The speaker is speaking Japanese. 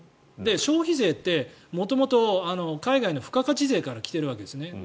消費税って元々海外の付加価値税から来てるんです。